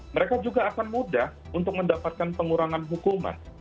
mereka juga akan mudah untuk mendapatkan pengurangan hukuman